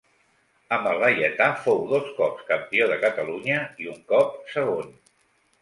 Amb el Laietà fou dos cops campió de Catalunya i un cop segon.